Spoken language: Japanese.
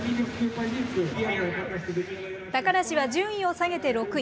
高梨は順位を下げて６位。